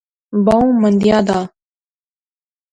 بہوں مندیاں دا